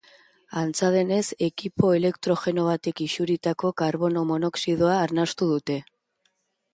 Antza denez, ekipo elektrogeno batek isuritako karbono monoxidoa arnastu dute.